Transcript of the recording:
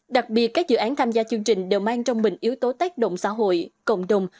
đặc biệt các dự án tham gia chương trình đều mang trong mình yếu tố tác động xã hội cộng đồng